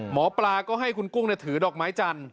หมอปลาก็ให้คุณกุ้งถือดอกไม้จันทร์